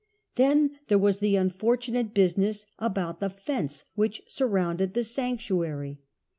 Then there was the unfoitunate business about the fence which surrounded the sanctuary.